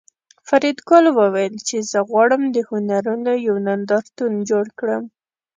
فریدګل وویل چې زه غواړم د هنرونو یو نندارتون جوړ کړم